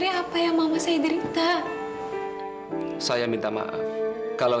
insya allah eka